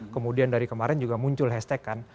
kemudian dari kemarin juga muncul hashtag kan